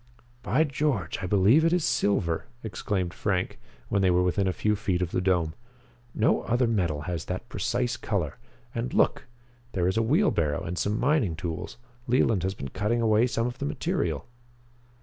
"By George, I believe it is silver," exclaimed Frank, when they were within a few feet of the dome. "No other metal has that precise color. And look! There is a wheelbarrow and some mining tools. Leland has been cutting away some of the material."